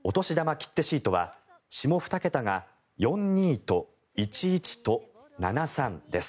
切手シートは下２桁が４２と１１と７３です。